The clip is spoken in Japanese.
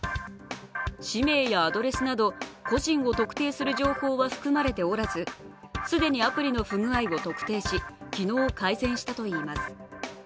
氏名やアドレスなど個人を特定する情報は含まれておらず、既にアプリの不具合を特定し、昨日改善したといいます。